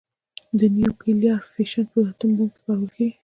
د نیوکلیر فیشن په اټوم بم کې کارول کېږي.